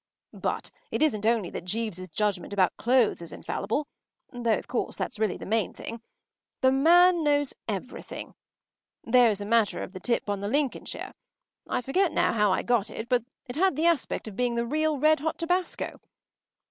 But it isn’t only that Jeeves’s judgment about clothes is infallible, though, of course, that’s really the main thing. The man knows everything. There was the matter of that tip on the “Lincolnshire.” I forget now how I got it, but it had the aspect of being the real, red hot tabasco.